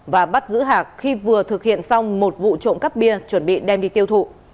và bắt giữ hạc khi vừa thực hiện xong một vụ trộm cắp bia chuẩn bị đem đi tiêu thụ